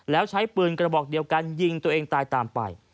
แล้วใช้ปืนกระบอกเดียวกันยิงตัวเองตายตามไป